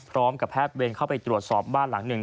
พร้อมกับแพทย์เวรเข้าไปตรวจสอบบ้านหลังหนึ่ง